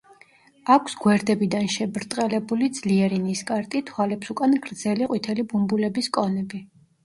აქვს გვერდებიდან შებრტყელებული ძლიერი ნისკარტი, თვალებს უკან გრძელი ყვითელი ბუმბულების კონები.